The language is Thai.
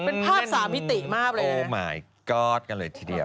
เป็นภาพสามมิติมากเลยโอ้หมายก๊อตกันเลยทีเดียว